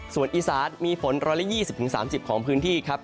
ส่วนอีซาสมีฝนร้อยละ๒๐๓๐ของพื้นที่ครับ